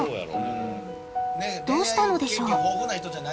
どうしたのでしょう？